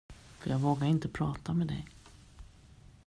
För jag vågar inte prata med dig.